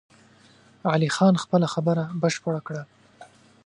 علي خان خپله خبره بشپړه کړه!